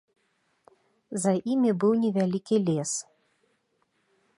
За імі быў невялікі лес.